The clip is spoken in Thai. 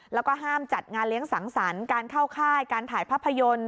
แล้วก็ห้ามจัดงานเลี้ยงสังสรรค์การเข้าค่ายการถ่ายภาพยนตร์